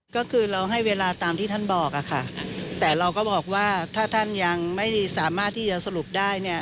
ค่ะเราไม่ได้ทะเลาท์อย่างที่พูดด้วย